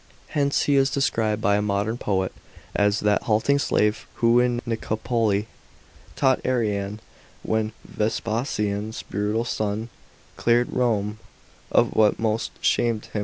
Hence he is described by a modern poet as " That halting slave, who in Nicopolie, Taugi t Arrian, when Vespasian's brutal son ClearM Rome of what most shamed him."